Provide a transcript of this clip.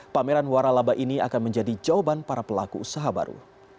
pameran waralaba ini akan menjadi jawaban para pelaku usaha baru